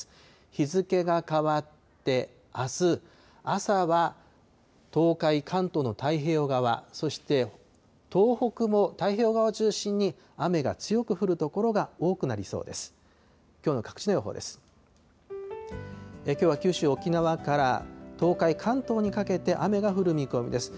日付が変わって、あす朝は東海、関東の太平洋側、そして東北も太平洋側を中心に、雨が強く降る所が多くなりそうです。